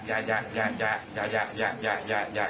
อัลยะอัลยะอัลยะ